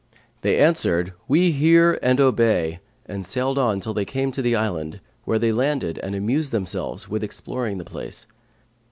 They answered, 'We hear and obey,' and sailed on till they came to the island, where they landed and amused themselves with exploring the place.